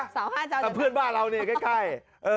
แต่เพื่อนบ้านเรานี่ใกล้